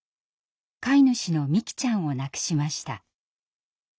飼い主のみきちゃんを亡くしました。